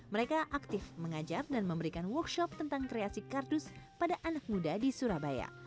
mereka aktif mengajar dan memberikan workshop tentang kreasi kardus pada anak muda di surabaya